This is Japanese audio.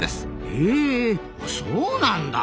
へえそうなんだ。